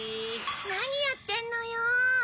なにやってんのよ！